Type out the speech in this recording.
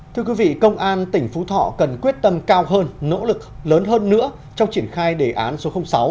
thưa quý vị công an tỉnh phú thọ cần quyết tâm cao hơn nỗ lực lớn hơn nữa trong triển khai đề án số sáu